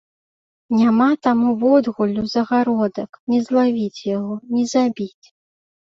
Няма таму водгуллю загародак, не злавіць яго, не забіць.